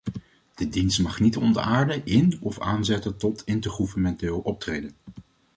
De dienst mag niet ontaarden in of aanzetten tot intergouvernementeel optreden.